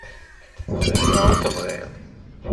Tebɣiḍ neɣ ur tebɣiḍ.